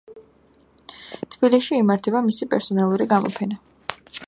თბილისში იმართება მისი პერსონალური გამოფენა.